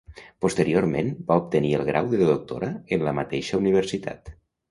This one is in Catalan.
Posteriorment va obtenir el grau de doctora en la mateixa universitat.